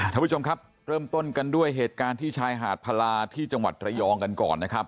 ท่านผู้ชมครับเริ่มต้นกันด้วยเหตุการณ์ที่ชายหาดพลาที่จังหวัดระยองกันก่อนนะครับ